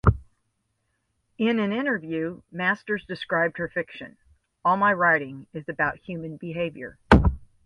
In an interview, Masters described her fiction: All my writing is about human behaviour.